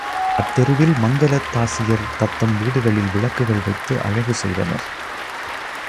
அத்தெருவில் மங்கலத்தாசியர் தத்தம் வீடுகளில் விளக்குகள் வைத்து அழகு செய்தனர்.